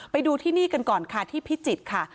ไปดูที่นี่กันก่อนค่ะที่พิจิตรค่ะ